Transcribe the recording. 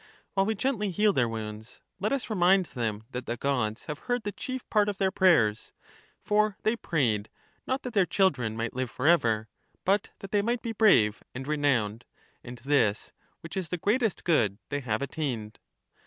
While we gently heal their wounds, let us remind them that the Gods have heard the chief part of their prayers ; for they prayed, not that their children might live for ever, but that they might be brave and renowned. And this, which is the greatest good, they have attained.